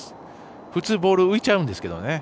普通、ボール浮いちゃうんですけどね。